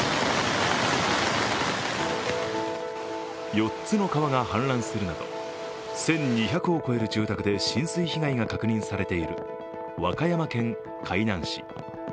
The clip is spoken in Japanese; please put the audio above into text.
４つの川が氾濫するなど１２００を超える住宅で浸水被害が確認されている和歌山県海南市。